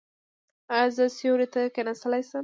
ایا زه سیوري ته کیناستلی شم؟